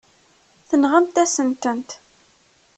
Tenɣamt-asen-tent.